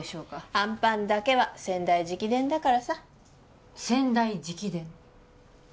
あんぱんだけは先代直伝だからさ先代直伝？